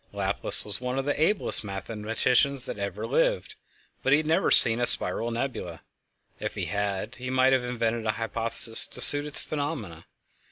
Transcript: Laplace was one of the ablest mathematicians that ever lived, but he had never seen a spiral nebula; if he had, he might have invented a hypothesis to suit its phenomena.